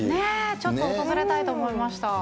ちょっと訪れたいと思いまし